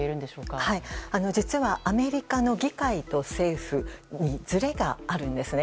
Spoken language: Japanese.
実は、アメリカの議会と政府にずれがあるんですね。